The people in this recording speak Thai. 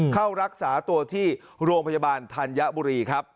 เข้ารักษาตัวที่โรงพยาบาลธัญบุรีครับ